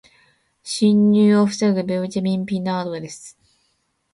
侵入を防ぐベウチェミン・ピナードです。